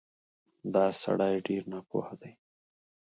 دا سړی ډېر ناپوه دی